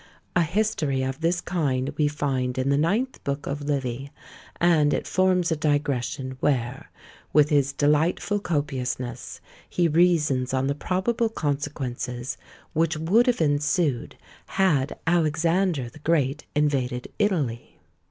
A history of this kind we find in the ninth book of Livy; and it forms a digression, where, with his delightful copiousness, he reasons on the probable consequences which would have ensued had Alexander the Great invaded Italy.